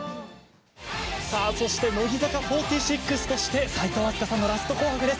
乃木坂４６として齋藤飛鳥さんのラスト「紅白」です。